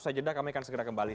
sajedah kami akan segera kembali